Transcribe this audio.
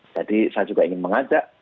jadi saya juga ingin mengajak